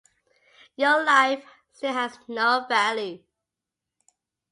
Your life still has no value.